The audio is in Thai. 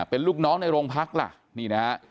เป็นลูกน้องในโรงพักล่ะนี่นะฮะ